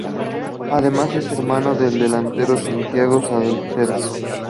Además es hermano del delantero Santiago Salcedo.